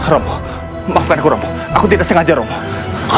romo maafkan aku romo aku tidak sengaja romo